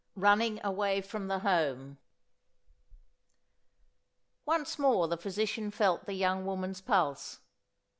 RUNNING AWAY FROM THE HOME Once more the physician felt the young woman's pulse.